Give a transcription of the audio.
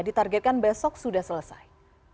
ditargetkan besok sudah selesai